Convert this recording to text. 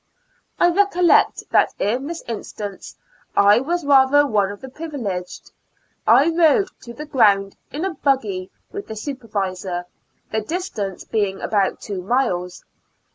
I recollect that in this instance I was rather one of the privileged. I rode to the ground in a buggy with the Supervisor, the distance being about two miles.